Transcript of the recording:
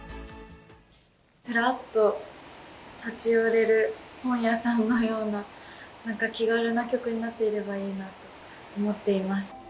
ふらっと立ち寄れる本屋さんのような、なんか気軽な曲になっていればいいなと思っています。